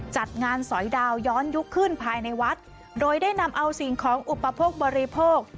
จัดงานสอยดาวย้อนยุคขึ้นภายในวัดโดยได้นำเอาสิ่งของอุปโภคบริโภค